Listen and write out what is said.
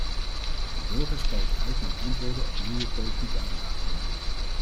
De burgers kijken uit naar antwoorden op nieuwe politieke uitdagingen.